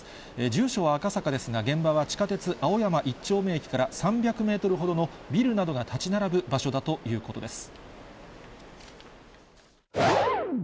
住所は赤坂ですが、現場は地下鉄青山一丁目駅から３００メートルほどのビルなどが建ち並ぶ場所だということです。